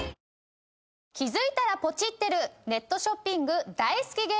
気づいたらポチってるネットショッピング大好き